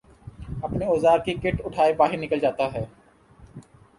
اپنے اوزار کی کٹ اٹھائے باہر نکل جاتا ہے